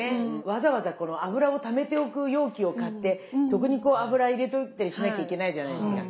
わざわざこの油をためておく容器を買ってそこにこう油入れといたりしなきゃいけないじゃないですか。